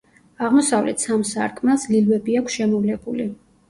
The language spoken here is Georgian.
აღმოსავლეთ სამ სარკმელს ლილვები აქვს შემოვლებული.